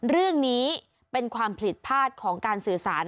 เรื่องนี้เป็นความผิดพลาดของการสื่อสาร